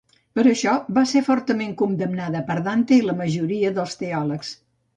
Per això va ser fortament condemnada per Dante i la majoria dels teòlegs.